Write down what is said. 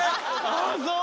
ああそう！